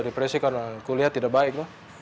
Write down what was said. depresi karena kuliah tidak baik